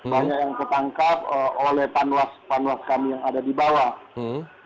banyak yang ketangkap oleh panwas panwas kami yang ada di bawah